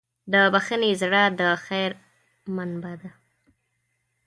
د بښنې زړه د خیر منبع ده.